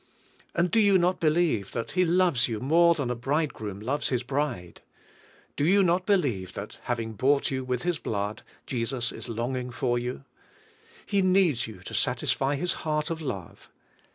And do you not believe that He loves you more than a bridegroom loves his bride? Do you not believe that, having bought you with His blood, Jesus is longing for you? He needs 3^ou to satisfy His heart of love.